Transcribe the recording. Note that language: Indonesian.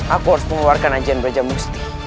aku harus mengeluarkan ajian baja musti